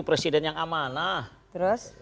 presiden yang amanah terus